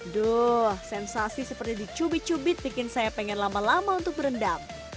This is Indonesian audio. duh sensasi seperti dicubit cubit bikin saya pengen lama lama untuk berendam